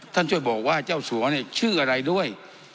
ช่วยบอกว่าเจ้าสัวเนี่ยชื่ออะไรด้วย